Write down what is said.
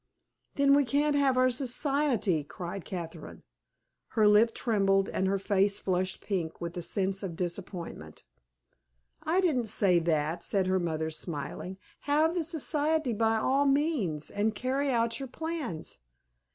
"Then we can't have our society," cried Catherine. Her lip trembled, and her face flushed pink with the sense of disappointment. "I didn't say that," said her mother, smiling. "Have the society by all means, and carry out your plans.